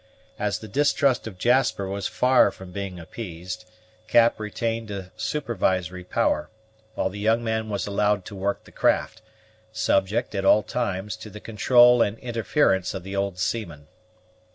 As the distrust of Jasper was far from being appeased, Cap retained a supervisory power, while the young man was allowed to work the craft, subject, at all times, to the control and interference of the old seaman.